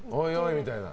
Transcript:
みたいな。